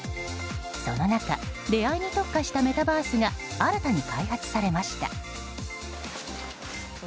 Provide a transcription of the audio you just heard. その中出会いに特化したメタバースが新たに開発されました。